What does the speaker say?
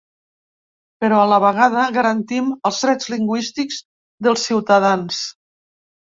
Però a la vegada, garantim els drets lingüístics dels ciutadans.